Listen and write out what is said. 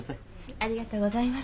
ありがとうございます。